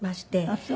あっそう。